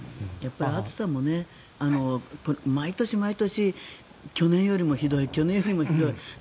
暑さも毎年毎年去年よりもひどい去年よりもひどいって。